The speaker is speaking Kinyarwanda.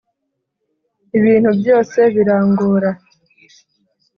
ibintu byose birangora